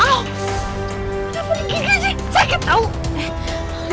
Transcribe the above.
aduh kenapa dikikik aja sakit